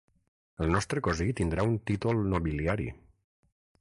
El nostre cosí tindrà un títol nobiliari.